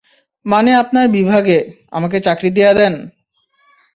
মানে আপনার বিভাগে, আমাকে চাকরি দিয়া দেন।